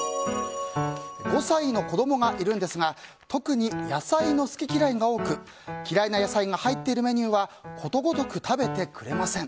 ５歳の子供がいるんですが特に野菜の好き嫌いが多く嫌いな野菜が入っているメニューはことごとく食べてくれません。